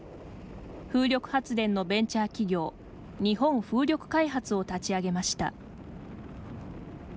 風力発電のベンチャー企業日本風力開発を立ち上げました。